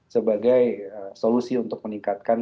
sebagai solusi untuk meningkatkan